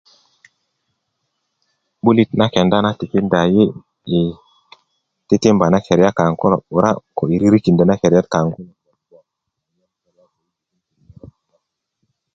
'bulit na kenda tikinda yi yi titimba na keriyat kaŋ kulo 'bura' ko yi ririkindö na keriyat kaŋ